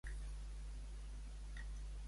A Pego, borratxos i fins.